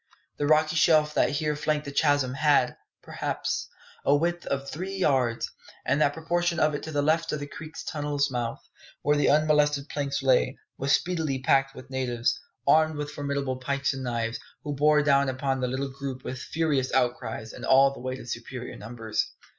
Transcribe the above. The rocky shelf' that here flanked the chasm had, perhaps, a width of three yards, and that portion of it to the left of the creek tunnel's mouth, where the unmolested planks lay, was speedily packed with natives, armed with formidable pikes and knives, who bore down upon the little group with furious outcries and all the weight of superior numbers.